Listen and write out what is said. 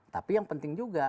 tapi yang penting juga